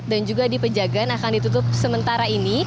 dan juga di pejagan akan ditutup sementara ini